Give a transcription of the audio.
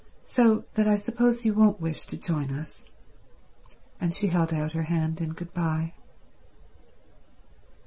So that I suppose you won't wish to join us." And she held out her hand in good bye.